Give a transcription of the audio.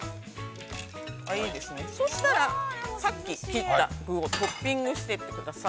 ◆そしたら、さっき切った具をトッピングしていってください。